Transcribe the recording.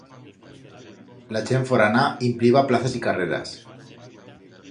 La chent forana impliba plazas y carreras.